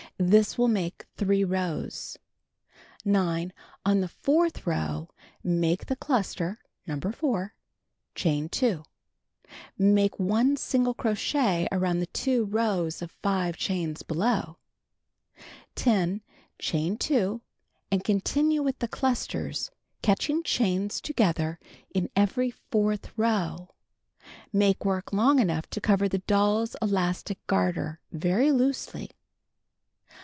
This will make 3 rows. 9. On the fourth row, make the cluster (No. 4). Chain 2. Make 1 single crochet around the 2 rows of 5 chains below. 10. Chain 2 and continue with the clusters, catching chains together in every fourth row. Make work long enough to cover the doll's elastic garter very loosely.